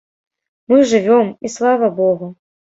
Мы жывём і слава богу.